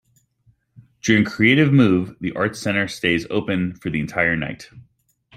During "Creative Move", the Art Center stays open for the entire night.